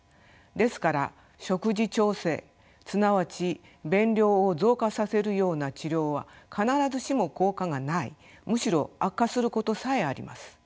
ですから食事調整すなわち便量を増加させるような治療は必ずしも効果がないむしろ悪化することさえあります。